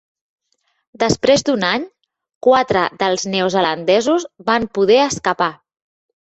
Després d'un any, quatre dels neozelandesos van poder escapar.